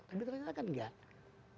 tapi ternyata kan enggak